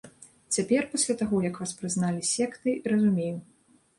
Цяпер, пасля таго, як вас прызналі сектай, разумею.